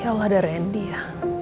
ya allah ada randy ya